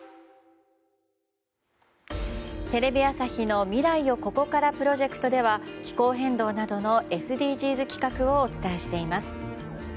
テレビ朝日の未来をここからプロジェクトでは気候変動などのＳＤＧｓ企画をお伝えしています。